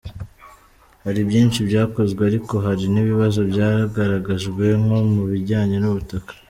Hari byinshi byakozwe ariko hari n’ibibazo byagaragajwe nko mu bijyanye n’ubutaka.